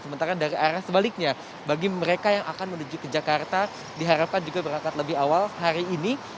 sementara dari arah sebaliknya bagi mereka yang akan menuju ke jakarta diharapkan juga berangkat lebih awal hari ini